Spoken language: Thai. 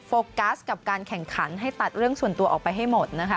โฟกัสกับการแข่งขันให้ตัดเรื่องส่วนตัวออกไปให้หมดนะคะ